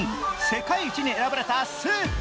世界一に選ばれたスープ。